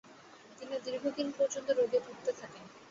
তিনি দীর্ঘদিন পর্যন্ত রোগে ভুগতে থাকেন।